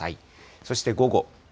そして午後。